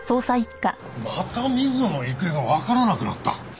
また水野の行方がわからなくなった？